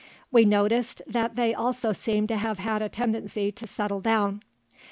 We noticed that they also seem to have had a tendency to settle down.